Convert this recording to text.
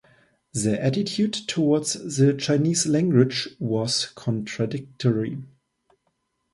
The attitude toward the Chinese language was contradictory.